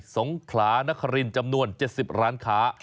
สงขลานครินจำนวน๗๐ร้านค้า